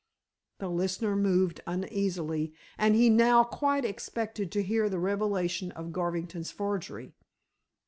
The listener moved uneasily, and he now quite expected to hear the revelation of Garvington's forgery.